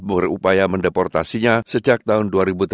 berupaya mendeportasinya sejak tahun